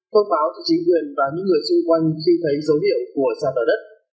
thông báo cho chính quyền và những người xung quanh khi thấy dấu hiệu của sạt lở đất